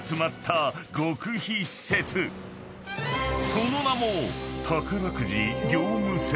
［その名も］